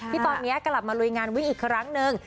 ที่ตอนนี้กลับมาลุยงานวิ่งอีกครั้งนึง